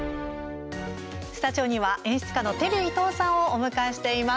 スタジオには演出家のテリー伊藤さんをお迎えしています。